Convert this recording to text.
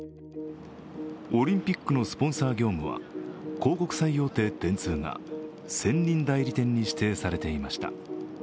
オリンピックのスポンサー業務は広告最大手・電通が専任代理店に指定されていました。